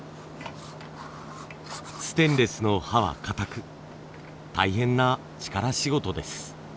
ステンレスの刃は硬く大変な力仕事です。